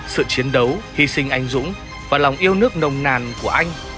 sự chiến đấu hy sinh anh dũng và lòng yêu nước nồng nàn của anh